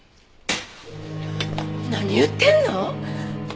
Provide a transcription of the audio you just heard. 何言ってんの？